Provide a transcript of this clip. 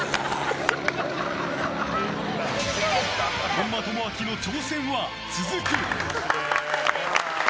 本間朋晃の挑戦は続く！